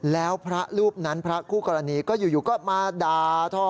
แล้วพระรูปนั้นพระคู่กรณีก็อยู่ก็มาด่าทอ